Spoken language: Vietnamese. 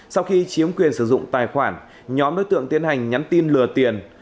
sau khi chiếm quyền sử dụng tài khoản nhóm đối tượng tiến hành nhắn tin lừa tiền